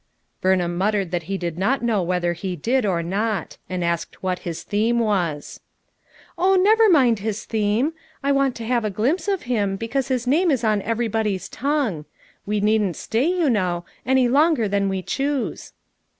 Burnham muttered that he did not know whether he did, or not; and asked what his theme was. "Oh, never mind his theme; I want to have a glimpse of him, because his name is on every body's tongue. We needn't stay, you know, any longer than we choose."